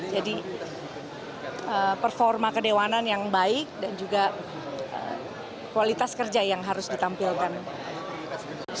jadi performa kedewanan yang baik dan juga kualitas kerja yang harus ditampilkan